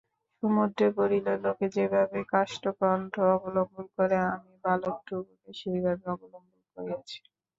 সমুদ্রে পড়িলে লোকে যেভাবে কাষ্ঠখণ্ড অবলম্বন করে আমি বালক ধ্রুবকে সেইভাবে অবলম্বন করিয়াছি।